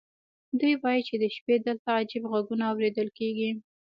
دوی وایي چې د شپې دلته عجیب غږونه اورېدل کېږي.